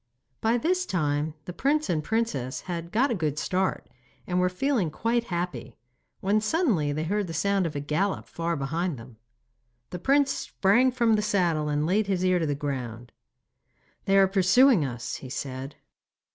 By this time the prince and princess had got a good start, and were feeling quite happy, when suddenly they heard the sound of a gallop far behind them. The prince sprang from the saddle, and laid his ear to the ground. 'They are pursuing us,' he said.